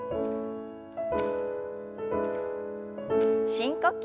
深呼吸。